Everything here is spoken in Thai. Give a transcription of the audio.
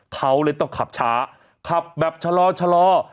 เขาเลยต้องขับช้าขับแบบชะลอ